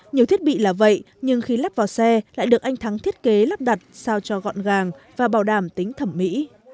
nhiều thiết bị là vậy nhưng khi lắp vào xe lại được anh thắng thiết kế lắp đặt sao cho gọn gàng và bảo đảm tính thẩm mỹ